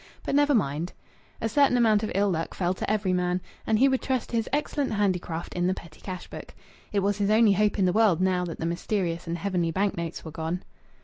But never mind! A certain amount of ill luck fell to every man, and he would trust to his excellent handicraft in the petty cash book. It was his only hope in the world, now that the mysterious and heavenly bank notes were gone.